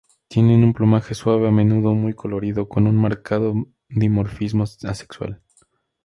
Tienen un plumaje suave, a menudo muy colorido, con un marcado dimorfismo sexual.